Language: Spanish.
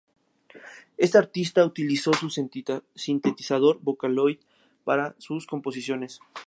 Este artista utilizó un sintetizador Vocaloid para sus composiciones.